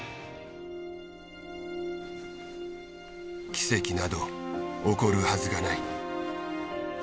奇跡など起こるはずがない。